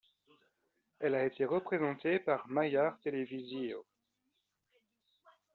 Elle a été représentée par Magyar Televízió.